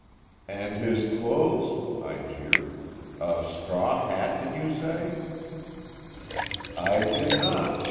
"And his clothes!" I jeered. "A straw hat, did you say?" "I did not.